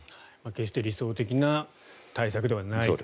決して理想的な対策ではない。